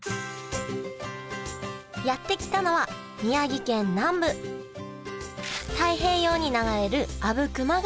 やって来たのは宮城県南部太平洋に流れる阿武隈川